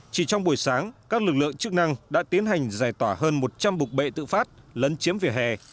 chỉ trong buổi sáng các lực lượng chức năng đã tiến hành giải tỏa hơn một trăm linh bục bệ tự phát lấn chiếm vỉa hè